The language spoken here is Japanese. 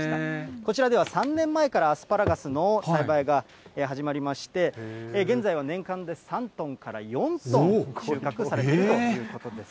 こちらでは３年前からアスパラガスの栽培が始まりまして、現在は年間で３トンから４トン、収穫されているということです。